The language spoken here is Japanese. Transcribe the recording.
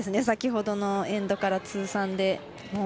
先ほどのエンドから通算で。